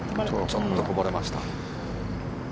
ちょっとこぼれました。